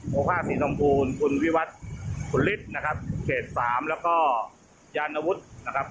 โมภาษีทรงคุณคุณพิวัติคุณฤทธิ์นะครับเกรดสามแล้วก็ยานอาวุธนะครับ